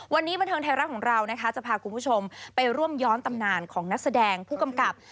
วันนี้บันเทิงไทยรัฐของเรานะคะจะพาคุณผู้ชมไปร่วมย้อนตำนานของนักแสดงผู้กำกับ